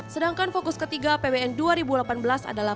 sedangkan fokus ketiga apbn dua ribu delapan belas adalah